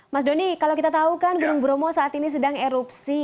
mas doni kalau kita tahu kan gunung bromo saat ini sedang erupsi